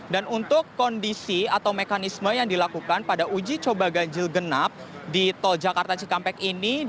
dan untuk kondisi atau mekanisme yang dilakukan pada uji coba ganjil genap di tol jakarta cikampek ini